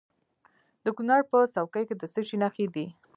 د کونړ په څوکۍ کې د څه شي نښې دي؟